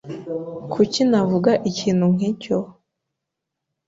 Kuki navuga ikintu nkicyo?